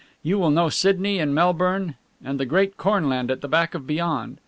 You will know Sydney and Melbourne and the great cornland at the back of beyond.